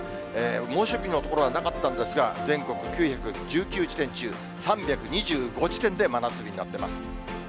猛暑日の所はなかったんですが、全国９１９地点中、３２５地点で真夏日になってます。